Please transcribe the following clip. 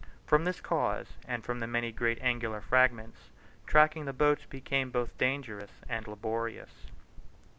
From this cause, and from the many great angular fragments, tracking the boats became both dangerous and laborious.